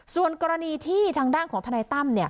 ส่วนกรณีที่ทางด้านของทนายตั้ม